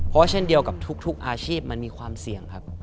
เพราะเช่นเดียวกับทุกอาชีพมันมีความเสี่ยงครับ